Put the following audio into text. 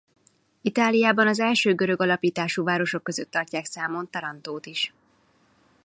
Itáliában az első görög alapítású városok között tartják számon Tarantót is.